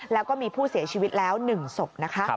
แล้วก็มีผู้เสียชีวิตแล้ว๑ศพนะคะ